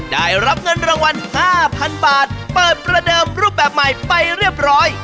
ได้รับเงินรางวัล๕๐๐๐บาทเปิดประเดิมรูปแบบใหม่ไปเรียบร้อย